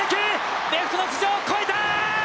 レフトの頭上を越えた！